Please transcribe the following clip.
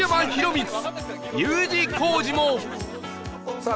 さあ